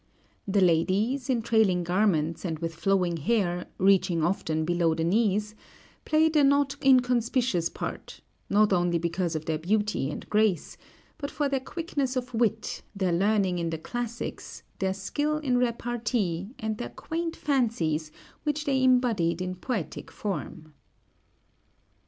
The ladies, in trailing garments and with flowing hair, reaching often below the knees, played a not inconspicuous part, not only because of their beauty and grace, but for their quickness of wit, their learning in the classics, their skill in repartee, and their quaint fancies, which they embodied in poetic form.